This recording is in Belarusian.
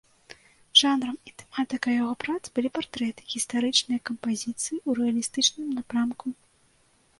Жанрам і тэматыкай яго прац былі партрэты, гістарычныя кампазіцыі ў рэалістычным напрамку.